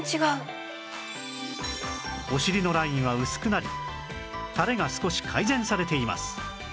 お尻のラインは薄くなり垂れが少し改善されています